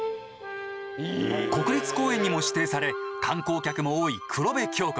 国立公園にも指定され観光客も多い黒部峡谷。